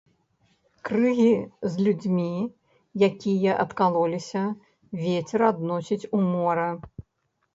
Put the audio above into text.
Крыгі з людзьмі, якія адкалоліся, вецер адносіць у мора.